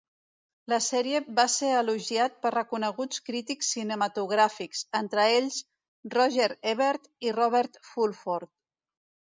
La sèrie va ser elogiat per reconeguts crítics cinematogràfics, entre ells Roger Ebert i Robert Fulford.